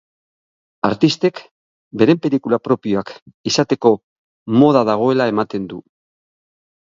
Artistek beren pelikula propioak izateko moda dagoela ematen du.